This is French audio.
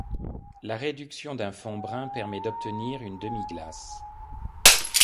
La réduction d'un fond brun permet d'obtenir une demi-glace.